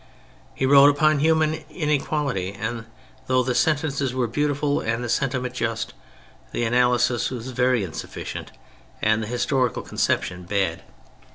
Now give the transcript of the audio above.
He wrote upon human inequality : and though the sentences were beautiful and the sentiment just, the analysis was very insufficient and the historical conception bad.